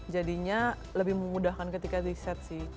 jadinya lebih memudahkan ketika di set sih